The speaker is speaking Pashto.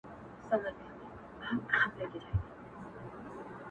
ه ياره ځوانيمرگ شې مړ شې لولپه شې”